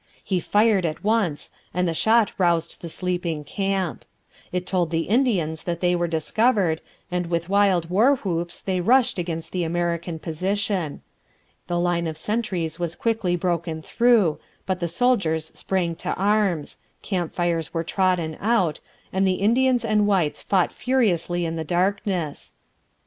He fired at once, and the shot roused the sleeping camp. It told the Indians that they were discovered, and with wild war whoops they rushed against the American position. The line of sentries was quickly broken through; but the soldiers sprang to arms; camp fires were trodden out; and Indians and whites fought furiously in the darkness.